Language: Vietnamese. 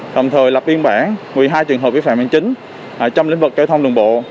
thồng thời lập biên bản một mươi hai trường hợp vi phạm an chính trong lĩnh vực giao thông đường bộ